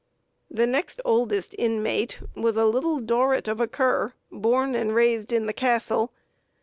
The next oldest inmate was a Little Dorrit of a cur, born and raised in the Castle.